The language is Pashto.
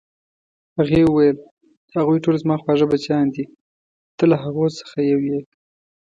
هغې وویل: هغوی ټول زما خواږه بچیان دي، ته له هغو څخه یو یې.